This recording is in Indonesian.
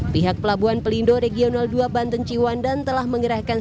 pihak pelabuhan pelindo regional dua banten ciwandan telah mengerahkan